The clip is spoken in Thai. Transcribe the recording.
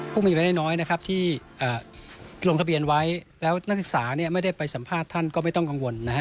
ผู้มีรายได้น้อยนะครับที่ลงทะเบียนไว้แล้วนักศึกษาไม่ได้ไปสัมภาษณ์ท่านก็ไม่ต้องกังวลนะฮะ